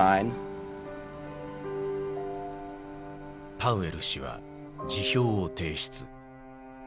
パウエル氏は辞表を提出。